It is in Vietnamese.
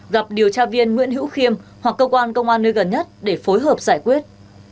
gặp điều tra viên nguyễn hữu khiêm hoặc cơ quan công an nơi gần nhất để phối hợp giải quyết